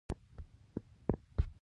پر انسانانو باندي بحث کول ښه کار نه دئ.